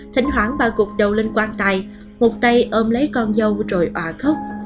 thỉnh thoảng bà cục đầu lên quang tài một tay ôm lấy con dâu rồi ọa khóc